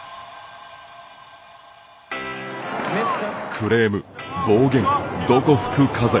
クレーム、暴言、どこ吹く風。